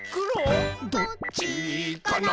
「どっちかな？」